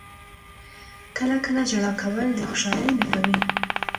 • کله کله ژړا کول د خوشحالۍ نښه وي.